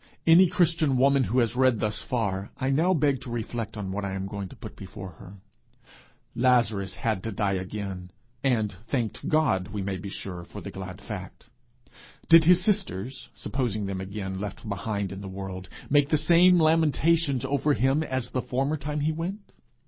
Any Christian woman who has read thus far, I now beg to reflect on what I am going to put before her. Lazarus had to die again, and thanked God, we may be sure, for the glad fact. Did his sisters, supposing them again left behind him in the world, make the same lamentations over him as the former time he went?